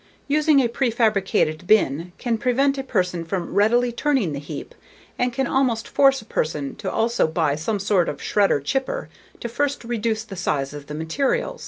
Using a prefabricated bin can prevent a person from readily turning the heap and can almost force a person to also buy some sort of shredder/chipper to first reduce the size of the material.